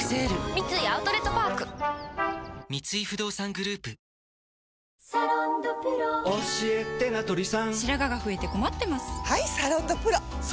三井アウトレットパーク三井不動産グループうおっくっさ。